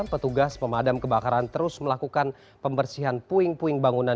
petugas pemadam kebakaran terus melakukan pembersihan puing puing bangunan